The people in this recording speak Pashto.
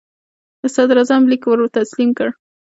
د صدراعظم لیک ور تسلیم کړ.